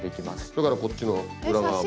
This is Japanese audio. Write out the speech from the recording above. だからこっちの裏側も。